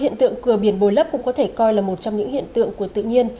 hiện tượng cửa biển bồi lấp cũng có thể coi là một trong những hiện tượng của tự nhiên